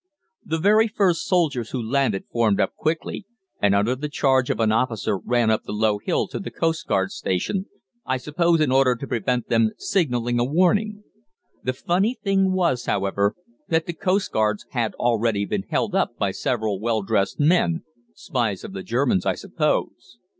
"The very first soldiers who landed formed up quickly, and under the charge of an officer ran up the low hill to the coastguard station, I suppose in order to prevent them signalling a warning. The funny thing was, however, that the coastguards had already been held up by several well dressed men spies of the Germans, I suppose.